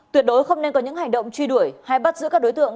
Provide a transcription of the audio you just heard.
tuyệt đối không nên có những hành động truy đuổi hay bắt giữ các đối tượng